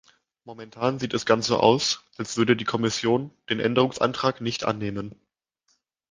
Momentan sieht es ganz so aus, als würde die Kommission den Änderungsantrag nicht annehmen.